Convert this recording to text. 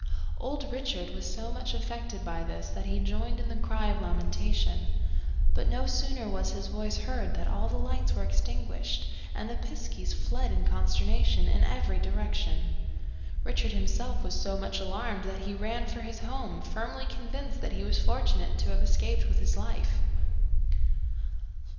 Old Richard was so much affected by this that he joined in the cry of lamentation. But no sooner was his voice heard than all the lights were extinguished and the piskies fled in consternation in every direction. Richard himself was so much alarmed that he ran for his home, firmly convinced that he was fortunate to have escaped with his life.